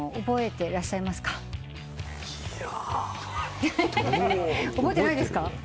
覚えてないですか？